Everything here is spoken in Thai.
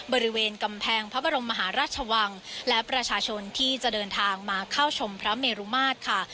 บริเวณกำแพงพระบรมมหาราชวังและประชาชนที่จะเดินทางมาเข้าชมพระเมรุมาตรค่ะ